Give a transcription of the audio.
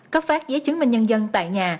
cấp phát giấy chứng minh nhân dân tại nhà